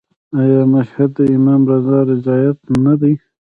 آیا مشهد د امام رضا زیارت نه دی؟